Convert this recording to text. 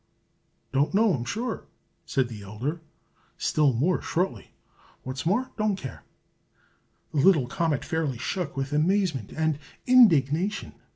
"Don't know, I'm sure!" said the elder, still more shortly. "What's more, don't care!" The little comet fairly shook with amazement and indignation.